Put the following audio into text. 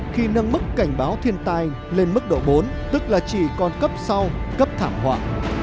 khi nâng mức cảnh báo thiên tai lên mức độ bốn tức là chỉ còn cấp sau cấp thảm họa